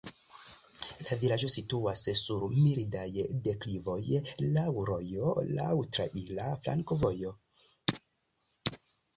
La vilaĝo situas sur mildaj deklivoj, laŭ rojo, laŭ traira flankovojo.